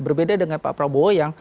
berbeda dengan pak prabowo yang